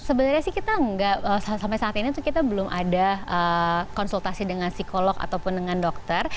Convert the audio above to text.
sebenarnya sih kita nggak sampai saat ini kita belum ada konsultasi dengan psikolog ataupun dengan dokter